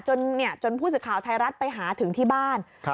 จนผู้สื่อข่าวไทยรัฐไปหาถึงที่บ้าน